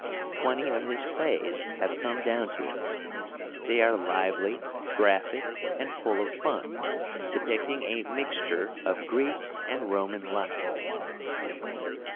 Twenty of his plays have come down to us. They are lively, graphic, and full of fun, depicting a mixture of Greek and Roman life.